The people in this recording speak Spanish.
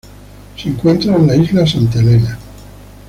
Se encuentra en la Isla Santa Helena.